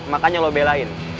makanya lo belain